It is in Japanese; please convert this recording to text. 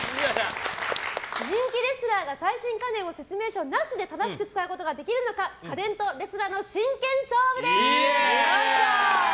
人気レスラーが最新家電を説明書なしで正しく使うのかできるのか家電とレスラーの真剣勝負です！